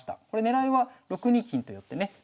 これ狙いは６二金と寄ってね